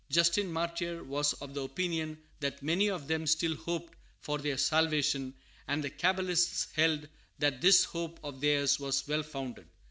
Justin Martyr was of the opinion that many of them still hoped for their salvation; and the Cabalists held that this hope of theirs was well founded.